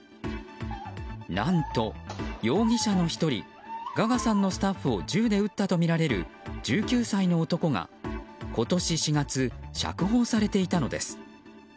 何と、容疑者の１人ガガさんのスタッフを銃で撃ったとみられる１９歳の男が今年４月、釈放されていたのです。